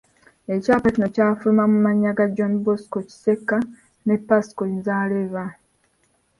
Ekyapa kino kyafuluma mu mannya ga John Bosco Kisekka ne Pascal Nzareba.